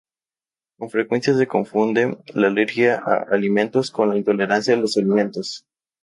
Con frecuencia se confunde la alergia a alimentos con la intolerancia a los alimentos.